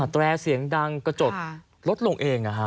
แร่เสียงดังกระจกลดลงเอง